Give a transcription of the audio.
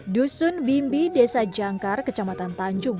dusun bimbi desa jangkar kecamatan tanjung